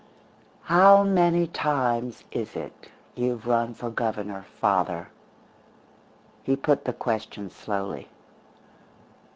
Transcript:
How many times is it you've run for Governor, father?" He put the question slowly.